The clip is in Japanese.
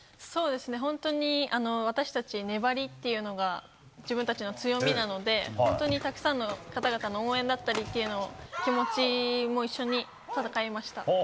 本当に私たち粘りというのが自分たちの強みなので本当にたくさんの方々の応援だったりという気持ちも一緒に戦いました。